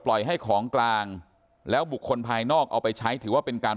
ปล่อยให้ของกลางแล้วบุคคลภายนอกเอาไปใช้ถือว่าเป็นการ